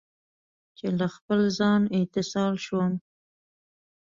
چې له خپل ځان، اتصال شوم